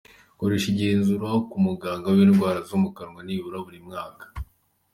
Koresha igenzura ku muganga w’indwara zo mu kanwa nibura buri mwaka.